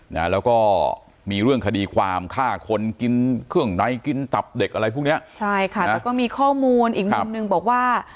นะแล้วก็มีเรื่องคดีความฆ่าคนกินเครื่องในกินตับเด็กอะไรพวกเนี้ยใช่ค่ะแล้วก็มีข้อมูลอีกมุมหนึ่งบอกว่า